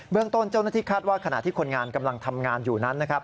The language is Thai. เรื่องต้นเจ้าหน้าที่คาดว่าขณะที่คนงานกำลังทำงานอยู่นั้นนะครับ